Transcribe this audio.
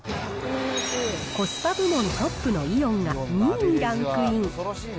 コスパ部門トップのイオンが２位にランクイン。